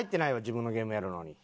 自分のゲームやるのに。